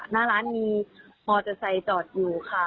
หน้าร้านมีมอเตอร์ไซค์จอดอยู่ค่ะ